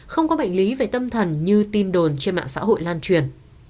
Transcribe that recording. không có bệnh lý về tâm thần như tin đồn trên mạng xã hội lan truyền